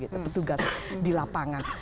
petugas di lapangan